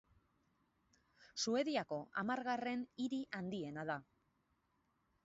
Suediako hamargarren hiri handiena da.